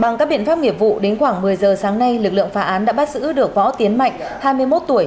bằng các biện pháp nghiệp vụ đến khoảng một mươi giờ sáng nay lực lượng phá án đã bắt giữ được võ tiến mạnh hai mươi một tuổi